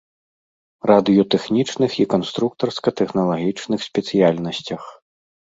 Радыётэхнічных і канструктарска-тэхналагічных спецыяльнасцях.